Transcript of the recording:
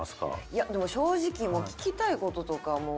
いやでも正直聞きたい事とかもう。